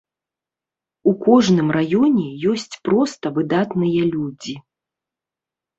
У кожным раёне ёсць проста выдатныя людзі.